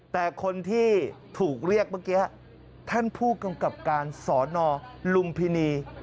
แต่คนที่ถูกเรียกเมื่อกี้ท่านผู้กำกับการสอนอลุมพินี